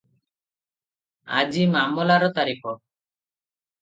ଆଜି ମାମଲାର ତାରିଖ ।